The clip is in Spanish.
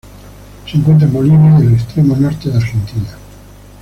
Se encuentra en Bolivia y el extremo norte de Argentina.